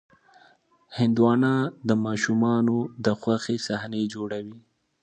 هندوانه د ماشومانو د خوښې صحنې جوړوي.